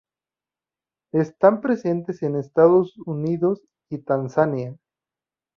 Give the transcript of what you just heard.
Están presentes en Estados Unidos y Tanzania.